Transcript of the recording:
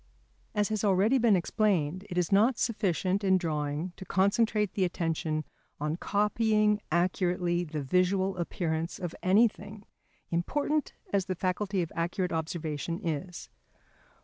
As has already been explained, it is not sufficient in drawing to concentrate the attention on copying accurately the visual appearance of anything, important as the faculty of accurate observation is.